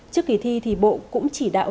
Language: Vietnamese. trước kỳ thi thì bộ cũng chỉ đạo